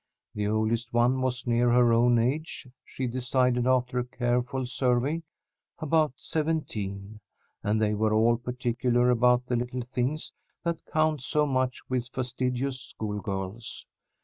The oldest one was near her own age, she decided after a careful survey, about seventeen; and they were all particular about the little things that count so much with fastidious schoolgirls.